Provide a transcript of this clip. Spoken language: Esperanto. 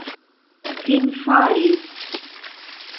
finfari